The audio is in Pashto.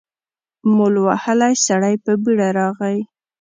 مول وهلی سړی په بېړه راغی.